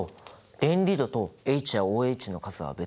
電離度とＨやＯＨの数は別物なんだね。